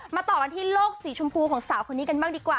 ต่อกันที่โลกสีชมพูของสาวคนนี้กันบ้างดีกว่า